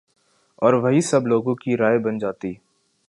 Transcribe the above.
اور وہی سب لوگوں کی رائے بن جاتی